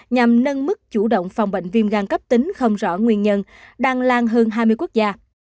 nhằm nâng mức chủ động phòng bệnh viêm gan cấp tính không rõ nguyên nhân đang lan hơn hai mươi quốc gia